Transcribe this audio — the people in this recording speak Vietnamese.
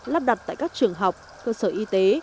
lắp đặt tại các trường học cơ sở y tế